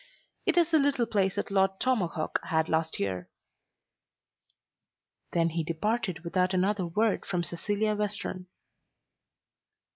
It is the little place that Lord Tomahawk had last year." Then he departed without another word from Cecilia Western.